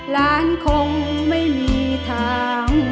ร้านคงไม่มีทาง